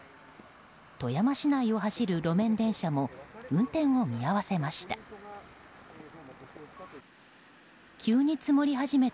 富山市内を走る路面電車も運転を見合わせました。